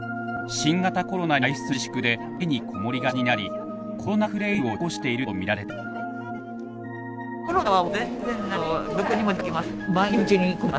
新型コロナによる外出自粛で家にこもりがちになり「コロナフレイル」を引き起こしているとみられています。